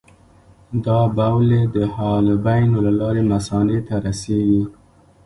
دا بولې د حالبینو له لارې مثانې ته رسېږي.